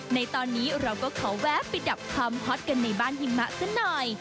ในตอนนี้เราก็ขอแวะไปดับความฮอตกันในบ้านหิมะซะหน่อย